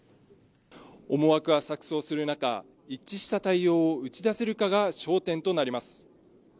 思惑が錯綜する中、一致した対応を打ち出せるかが焦点となります。